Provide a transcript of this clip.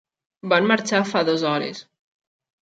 Van marxar fa dues hores!